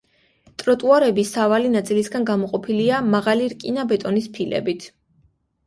ტროტუარები სავალი ნაწილისაგან გამოყოფილია მაღალი რკინა-ბეტონის ფილებით.